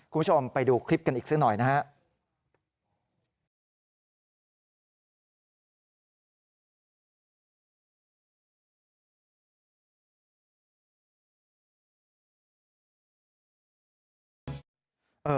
คุณผู้ชมไปดูคลิปกันอีกซะหน่อยนะฮะ